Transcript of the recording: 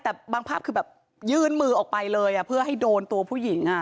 แต่บางภาพคือแบบยื่นมือออกไปเลยเพื่อให้โดนตัวผู้หญิง